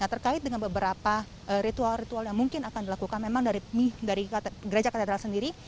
nah terkait dengan beberapa ritual ritual yang mungkin akan dilakukan memang dari gereja katedral sendiri